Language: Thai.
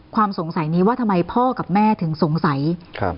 ความสงสัยนี้ว่าทำไมพ่อกับแม่ถึงสงสัยครับ